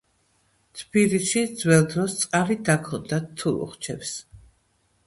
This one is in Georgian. თბილისში ძველ დროს წყალი დაქონდათ თულუხჩებს